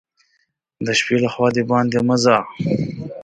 د شپې له خوا دباندي مه ځه !